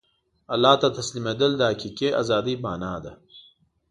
الله ته تسلیمېدل د حقیقي ازادۍ مانا ده.